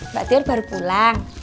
mbak tir baru pulang